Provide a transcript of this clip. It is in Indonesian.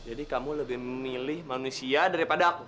jadi kamu lebih memilih manusia daripada aku